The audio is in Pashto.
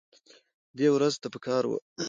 دې ورځ ته پکار وه